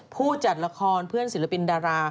ผู้จัดละครเพื่อนศิลปินดารา